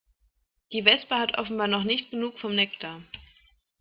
Die Wespe hat offenbar noch nicht genug vom Nektar.